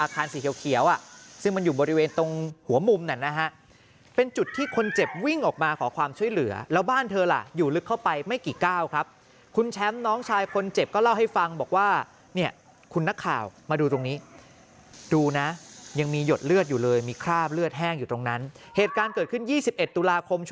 คันสีเขียวอ่ะซึ่งมันอยู่บริเวณตรงหัวมุมนั่นนะฮะเป็นจุดที่คนเจ็บวิ่งออกมาขอความช่วยเหลือแล้วบ้านเธอล่ะอยู่ลึกเข้าไปไม่กี่ก้าวครับคุณแชมป์น้องชายคนเจ็บก็เล่าให้ฟังบอกว่าเนี่ยคุณนักข่าวมาดูตรงนี้ดูนะยังมีหยดเลือดอยู่เลยมีคราบเลือดแห้งอยู่ตรงนั้นเหตุการณ์เกิดขึ้น๒๑ตุลาคมช